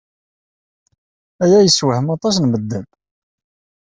Aya yessewhem aṭas n medden.